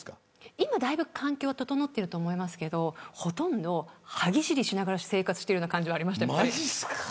今はだいぶ環境が整っていると思いますがほとんど歯ぎしりしながら生活しているような感じはありました。